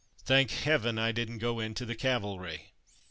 Thank Heaven, I didn't go into the Cavalry.